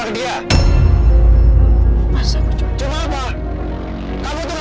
dia kasih enak aja